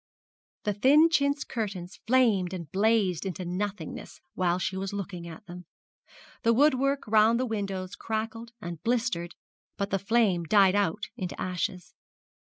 The thin chintz curtains flamed and blazed into nothingness while she was looking at them. The wood work round the windows crackled and blistered, but the flame died out into ashes.